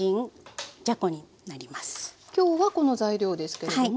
今日はこの材料ですけれども。